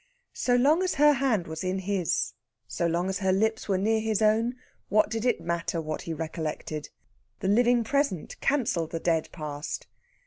So long as her hand was in his, so long as her lips were near his own, what did it matter what he recollected? The living present cancelled the dead past.